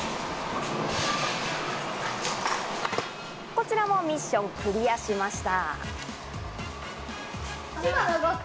こちらもミッションクリアしました。